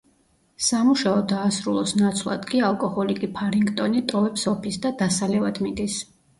სამუშაო დაასრულოს ნაცვლად კი ალკოჰოლიკი ფარინგტონი ტოვებს ოფისს და დასალევად მიდის.